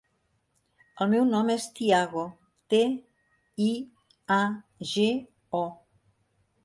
El meu nom és Tiago: te, i, a, ge, o.